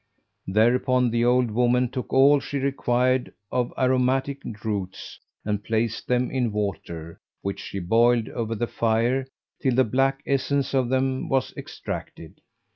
Thereupon the old woman took all she required of aromatic roots and placed them in water which she boiled over the fire till the black essence of them was extracted.